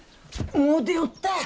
もう出よった。